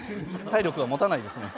体力がもたないですね。